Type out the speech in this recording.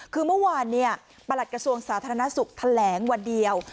คือเมื่อวานประหลัดกระทรวงสาธารณสุขแถลงวันเดียว